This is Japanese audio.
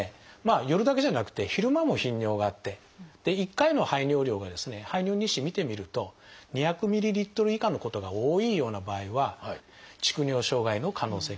夜だけじゃなくて昼間も頻尿があって１回の排尿量がですね排尿日誌見てみると２００ｍＬ以下のことが多いような場合は蓄尿障害の可能性があります。